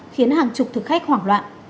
khiến hàng chục thực khách hoảng loạn